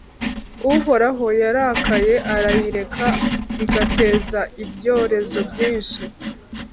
Uhoraho yarakaye arayireka igateza ibyorezo byinshi,